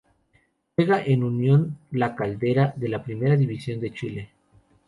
Juega en Unión La Calera de la Primera División de Chile.